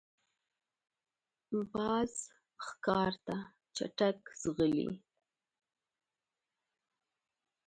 باز ښکار ته چټک ځغلي